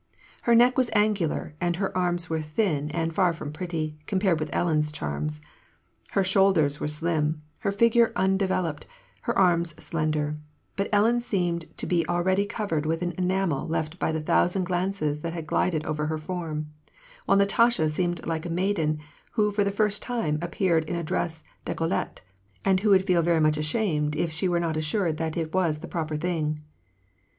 Her neck was angular, and her arms were thin and far from pretty, compared with Ellen's charms. Her shoulders were slim, her figure undeveloped, her arms slender ; but Ellen seemed to be already covered with an enamel left by the thousand glances that had glided over her form ; while Natasha seemed like a maiden who for the first time appeared in a dress decollete, and would feel very much ashamed if she were not assured that it was the proper thing.